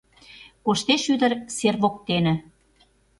Коштеш ӱдыр сер воктене